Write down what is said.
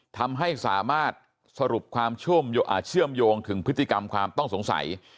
ทำให้สามารถสรุปความเชื่อมโยงถึงพฤติกรรมความต้องสงสัย